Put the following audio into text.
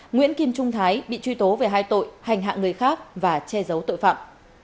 nguyễn kim trung thái bị truy tố về hai tội hành hạ người khác và che giấu tội phạm